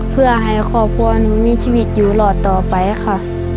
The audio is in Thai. เพื่อให้ครอบครัวหนูมีชีวิตอยู่รอดต่อไปค่ะ